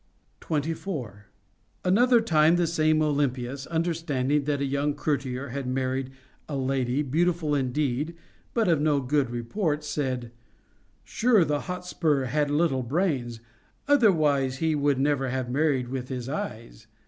CONJUGAL PRECEPTS. 495 24. Another time the same Olympias, understanding that a young courtier had married a lady, beautiful indeed, but of no good report, said : Sure, the Hotspur had little brains, otherwise he would never have married with his eyes.